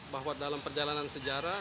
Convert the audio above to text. bahwa dalam perjalanan sejarah